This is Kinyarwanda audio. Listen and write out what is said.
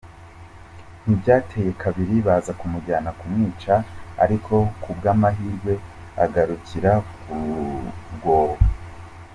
Ntibyateye kabiri baza kumujyana kumwica ariko ku bw’amahirwe agarukira ku rwobo.